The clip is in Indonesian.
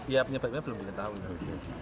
ya penyebabnya belum diketahui